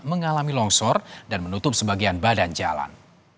mengalami longsor dan menutup sebagian badan jalan